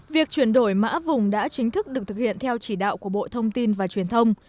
việc chuyển đổi mã vùng đã chính thức được thực hiện theo chỉ đạo của bộ thông tin và truyền thông